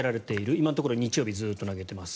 今のところ日曜日ずっと投げています。